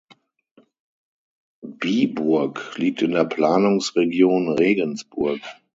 Biburg liegt in der Planungsregion Regensburg.